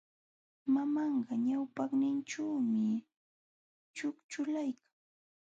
Mamanpa ñawpaqninćhuumi ćhukćhulaykan.